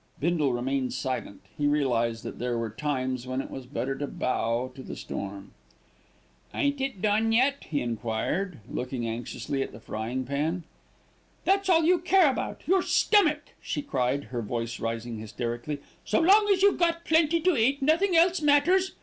Bindle remained silent. He realized that there were times when it was better to bow to the storm. "Ain't it done yet?" he enquired, looking anxiously at the frying pan. "That's all you care about, your stomach," she cried, her voice rising hysterically. "So long as you've got plenty to eat, nothing else matters.